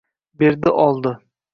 Berdi-oldi!